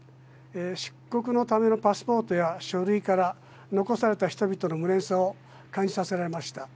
出国のためのパスポートや書類から残された人々の無念さを感じさせられました。